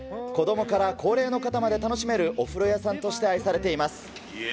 子どもから高齢の方まで楽しめるお風呂屋さんとして愛されています。